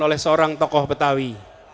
oleh seorang tokoh betawi